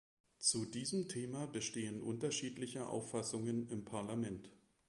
Zu diesem Thema bestehen unterschiedliche Auffassungen im Parlament.